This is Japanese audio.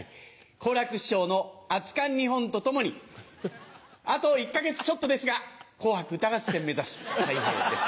好楽師匠の『熱燗二本』とともにあと１か月ちょっとですが『紅白歌合戦』目指すたい平です。